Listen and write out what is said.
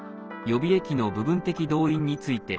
予備役の部分的動員について